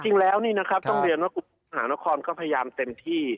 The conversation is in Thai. จริงแล้วนี่นะครับต้องเรียนว่ากรุงเทพมหานครก็พยายามเต็มที่